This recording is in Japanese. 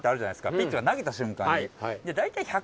ピッチャーが投げた瞬間に。